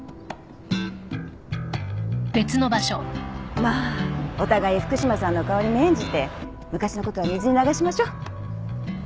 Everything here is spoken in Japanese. まあお互い福島さんの顔に免じて昔のことは水に流しましょう。